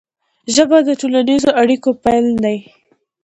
ژبه د ټولنیزو اړیکو پل دی.